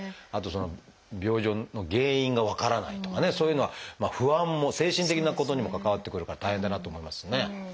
あと病状の原因が分からないとかねそういうのは不安も精神的なことにも関わってくるから大変だなと思いますね。